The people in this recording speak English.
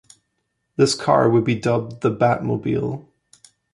This car would be dubbed the "Batmobile".